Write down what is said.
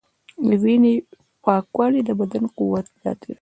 د وینې پاکوالی د بدن قوت زیاتوي.